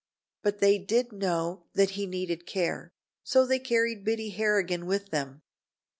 But they did know that he needed care, so they carried Biddy Harrigan with them.